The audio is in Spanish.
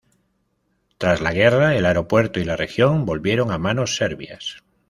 Tras la guerra, el aeropuerto y la región volvieron a manos serbias.